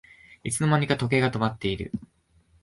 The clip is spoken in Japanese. いつの間にか時計が止まってる